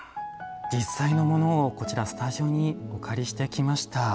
実際のものをこちらスタジオにお借りしてきました。